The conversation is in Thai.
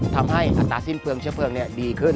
ทำให้อัตราสิ้นเฟืองเชื้อเฟืองดีขึ้น